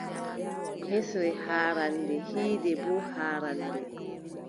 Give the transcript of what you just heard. Hesre haarannde, hiinde boo haarannde.